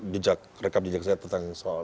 jejak rekam jejak saya tentang soal